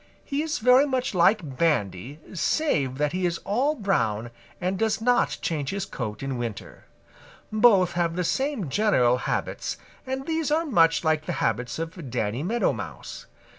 He is very much like Bandy save that he is all brown and does not change his coat in winter. Both have the same general habits, and these are much like the habits of Danny Meadow Mouse.